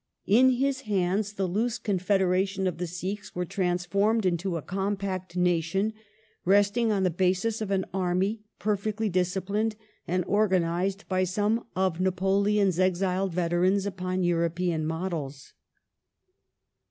In his hands the loose confederation of the Sikhs was transformed into a compact nation, resting on the basis of an army, perfectly disciplined and organized by some of Napoleon's exiled veterans upon European models.